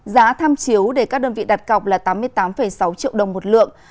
giá tham chiếu để các đơn vị đặt cọc là tám mươi tám sáu triệu đồng một lượng